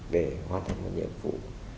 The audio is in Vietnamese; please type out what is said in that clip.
để hoàn thành một nhiệm vụ